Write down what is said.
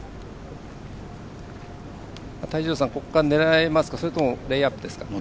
泰二郎さん、ここから狙えますかそれともレイアップですか？